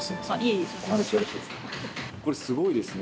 ◆これ、すごいですね。